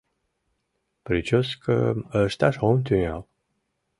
Причёскым ышташ ом тӱҥал.